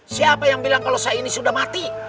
siapa yang bilang kalau saya ini sudah mati